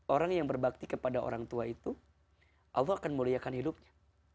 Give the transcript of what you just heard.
orang yang berbakti kepada orang tua itu allah akan muliakan hidupnya